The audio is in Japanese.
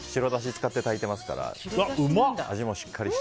使って炊いてますから。